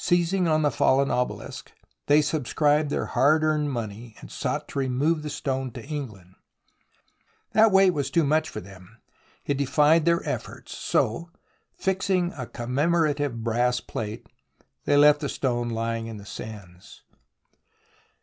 Seizing on the fallen obelisk, they subscribed their hard earned money, and sought to remove the stone to England. That weight was too much for them ; it defied their efforts, so, fixing a commemorative brass plate, they left the stone lying in the sands.